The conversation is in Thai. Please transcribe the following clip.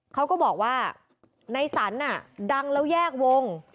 เขาก็บอกว่าในสรรดังแล้วแยกวง